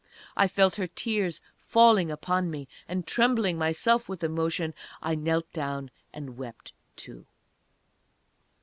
I felt her tears falling upon me, and trembling myself with emotion, I knelt down and wept, too.